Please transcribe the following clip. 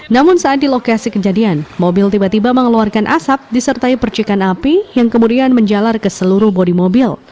namun saat di lokasi kejadian mobil tiba tiba mengeluarkan asap disertai percikan api yang kemudian menjalar ke seluruh bodi mobil